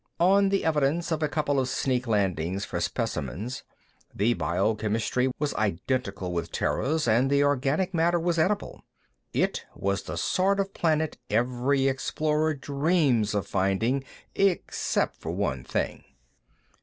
On the evidence of a couple of sneak landings for specimens, the biochemistry was identical with Terra's and the organic matter was edible. It was the sort of planet every explorer dreams of finding, except for one thing.